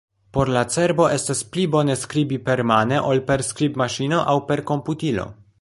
Por la cerbo, estas pli bone skribi permane ol per skribmaŝino aŭ per komputilo.